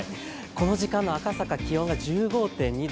この時間、赤坂、気温は１５．２度。